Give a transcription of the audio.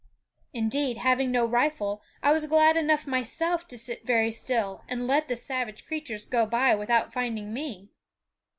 Indeed, having no rifle, I was glad enough myself to sit very still and let the savage creatures go by without finding me.